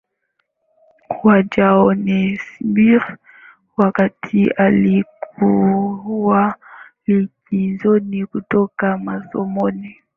Wa Johannesburg wakati alikuwa likizoni kutoka masomoni